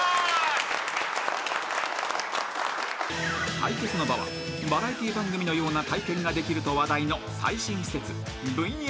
［対決の場はバラエティー番組のような体験ができると話題の最新施設］